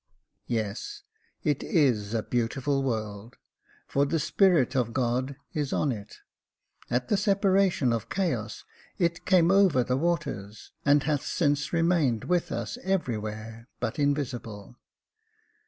" Yes j it is a beautiful world ; for the Spirit of God is on it. At the separation of chaos it came over the waters, and hath since remained with us, everywhere, but invisible.